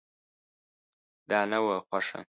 دا نه وه خوښه.